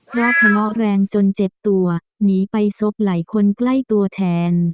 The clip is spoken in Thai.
เพราะทะเลาะแรงจนเจ็บตัวหนีไปซบไหล่คนใกล้ตัวแทน